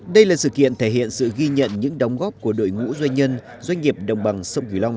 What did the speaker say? đây là sự kiện thể hiện sự ghi nhận những đóng góp của đội ngũ doanh nhân doanh nghiệp đồng bằng sông cửu long